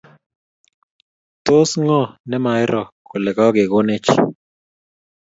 Tos ng'o ne mairo kole kagegonech?